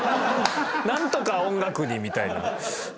「なんとか音楽に」みたいな。